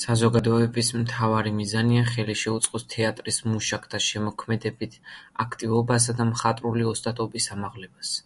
საზოგადოების მთავარი მიზანია ხელი შეუწყოს თეატრის მუშაკთა შემოქმედებით აქტივობასა და მხატვრული ოსტატობის ამაღლებას.